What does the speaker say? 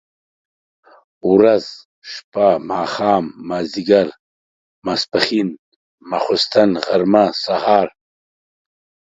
ورځ، شپه ،ماښام، ماځيګر، ماسپښن ، ماخوستن ، غرمه ،سهار،